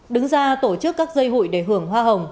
đứng ra tổ chức các dây hụi để hưởng hoa hồng